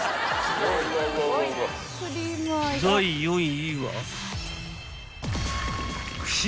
［第４位は］